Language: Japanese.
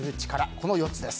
この４つです。